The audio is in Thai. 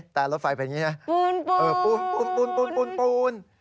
แต่รถไฟเป็นอย่างนี้นะปูน